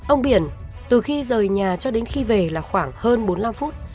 ông biển từ khi rời nhà cho đến khi về là khoảng hơn bốn mươi năm phút